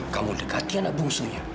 kamu dekati anak bungsunya